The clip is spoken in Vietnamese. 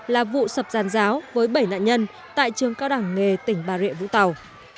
là vụ sập giàn giáo với bảy nạn nhân tại trường cao đẳng nghề tỉnh bà rịa vũng tàu